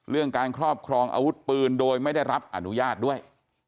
การครอบครองอาวุธปืนโดยไม่ได้รับอนุญาตด้วย